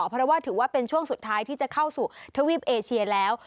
เพราะว่าถือว่าเป็นช่วงสุดท้ายที่จะเข้าสู่ทวีปเอเชียแล้ว